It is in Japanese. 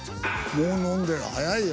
もう飲んでる早いよ。